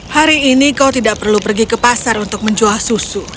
hari ini kau tidak perlu pergi ke pasar untuk menjual susu